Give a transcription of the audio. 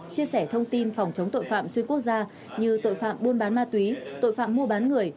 chia sẻ thông tin phòng chống tội phạm xuyên quốc gia như tội phạm buôn bán ma túy tội phạm mua bán người